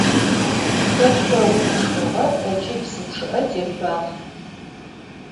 Te şsour tşşxığe ıç'i psı ççı'e têşsuağ.